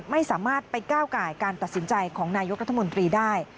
ไม่สามารถไปก้าวไก่การตัดสินใจของนายกรัฐมนตรีได้